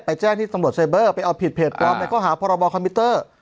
ไปแจ้งที่สัมโดร์ไซเบอร์ไปเอาผิดเพจปรอมกันก็หาพระบอคคอมพิวเตอร์